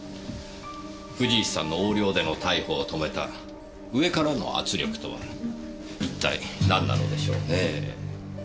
藤石さんの横領での逮捕を止めた上からの圧力とはいったいなんなのでしょうねえ。